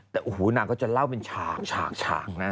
แต่โอ้โหนางก็จะเล่าเป็นฉากฉากฉากนะ